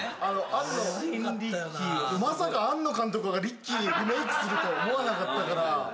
まさか庵野監督が『リッキー』リメークすると思わなかったから。